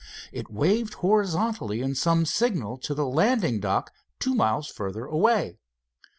It waved horizontally in some signal to the landing dock two miles further away.